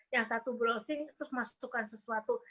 yang satu browsing terus masukkan sesuatu